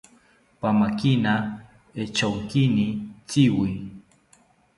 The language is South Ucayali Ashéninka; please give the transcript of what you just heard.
Pamakina echonkini tziwi